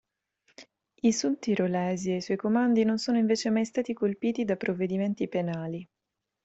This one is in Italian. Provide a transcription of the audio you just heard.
I sudtirolesi ai suoi comandi non sono invece mai stati colpiti da provvedimenti penali.